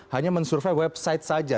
hanya men survei website saja